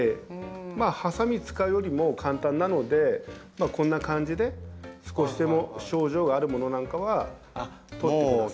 はさみ使うよりも簡単なのでこんな感じで少しでも症状があるものなんかは取ってください。